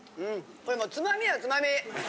これもうつまみやつまみ。